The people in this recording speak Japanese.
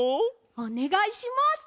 おねがいします！